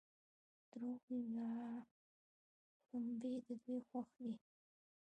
دوغ یا شړومبې د دوی خوښ دي.